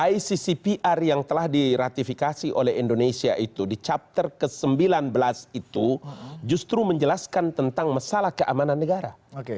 iccpr yang telah diratifikasi oleh indonesia itu di chapter ke sembilan belas itu justru menjelaskan tentang masalah keamanan negara